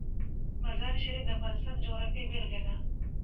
مزارشریف د افغانستان د جغرافیې بېلګه ده.